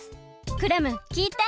クラムきいて！